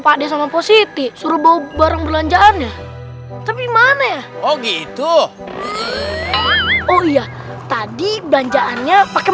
pak desmopo siti suruh bawa barang belanjaannya tapi mana ya oh gitu oh iya tadi belanjaannya pakai